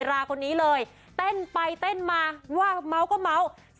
ราคนนี้เลยเต้นไปเต้นมาว่าเมาก็เมาส์